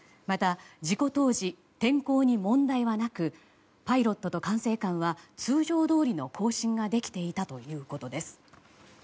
また、事故当時天候に問題はなくパイロットと管制官は通常通りの交信ができていたということです。